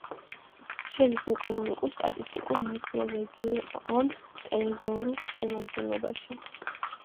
შედის ეკონომიკურ-სტატისტიკურ მიკრორეგიონ ტეზორუს შემადგენლობაში.